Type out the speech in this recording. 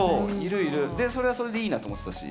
でそれはそれでいいなと思ってたし。